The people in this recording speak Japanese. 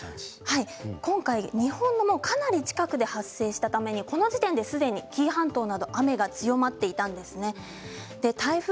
今回、日本のかなり近くで発生したためにこの時点ですでに紀伊半島などで雨が強まっていました。